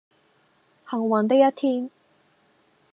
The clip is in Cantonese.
幸運的一天